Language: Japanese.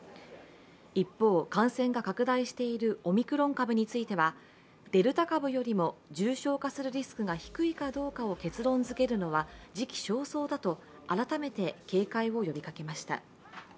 一方、感染が拡大しているオミクロン株についてはデルタ株よりも重症化するリスクが低いかどうかを結論づけるのは時期尚早だと改めて警戒を呼びかけました。